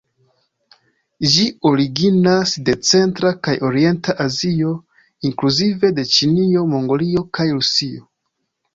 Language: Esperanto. Ĝi originas de centra kaj orienta Azio, inkluzive de Ĉinio, Mongolio kaj Rusio.